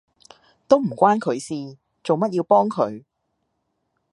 都唔關佢事，做乜要幫佢？